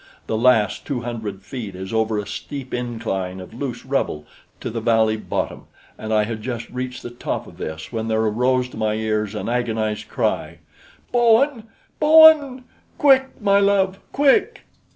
The last two hundred feet is over a steep incline of loose rubble to the valley bottom, and I had just reached the top of this when there arose to my ears an agonized cry "Bowen! Bowen! Quick, my love, quick!"